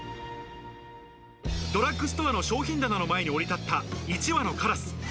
ドラッグストアの商品棚の前に降り立った１羽のカラス。